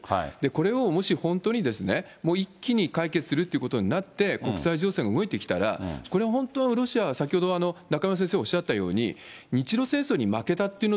これをもし、本当にですね、もう一気に解決するってことになって、国際情勢が動いてきたら、これは本当、ロシアは先ほど中村先生